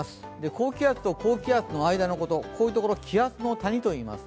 高気圧と高気圧の間のところを気圧の谷といいます。